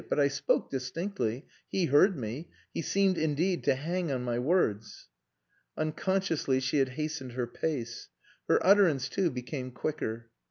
But I spoke distinctly. He heard me; he seemed, indeed, to hang on my words..." Unconsciously she had hastened her pace. Her utterance, too, became quicker.